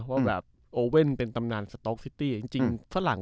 ว่าแบบโอเว่นเป็นตำนานสต๊อกซิตี้จริงฝรั่ง